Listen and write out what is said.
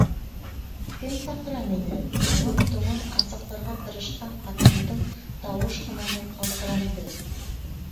— Кем саҡыра мине? — аңын-тоңон асыҡларға тырышҡан ҡатындың тауышҡынаһы ҡалтыранды.